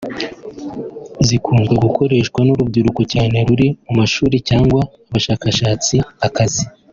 zikunzwe gukoreshwa n’urubyiruko cyane ruri mu mashuri cyangwa abashakisha akazi